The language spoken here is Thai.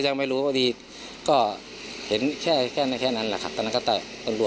จนใดเจ้าของร้านเบียร์ยิงใส่หลายนัดเลยค่ะ